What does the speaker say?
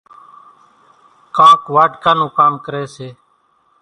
ڪانڪ واڍڪا نون ڪام ڪريَ سي۔